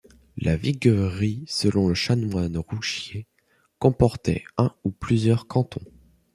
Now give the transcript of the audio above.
La viguerie selon le chanoine Rouchier comportait un ou plusieurs cantons.